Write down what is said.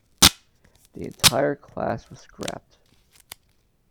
The entire class was scrapped.